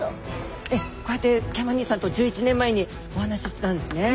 こうやってケンマ兄さんと１１年前にお話ししてたんですね。